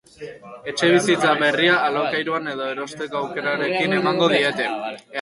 Etxebizitza berria alokairuan edo erosteko aukerarekin emango diete.